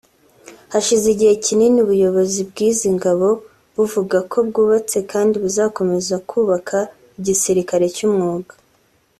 Hashize igihe kinini ubuyobozi bw’izi ngabo buvuga ko bwubatse kandi buzakomeza kubaka igisilikali cy’umwuga